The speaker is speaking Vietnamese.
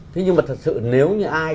thế nhưng mà thật sự nếu như ai